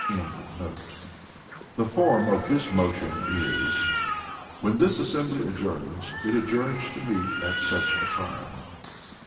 ] The Form of this motion is, "When this assembly adjourns, it adjourns to meet at such a time."